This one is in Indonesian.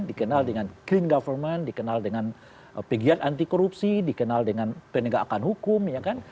dikenal dengan green government dikenal dengan pegiat anti korupsi dikenal dengan penegakan hukum ya kan